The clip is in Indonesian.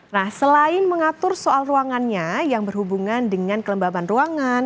nah selain mengatur soal ruangannya yang berhubungan dengan kelembaban ruangan